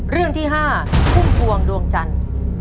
เรื่องที่๕พุ่มพวงดวงจันทร์